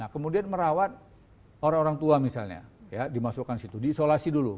kemudian merawat orang orang tua misalnya ya dimasukkan situ diisolasi dulu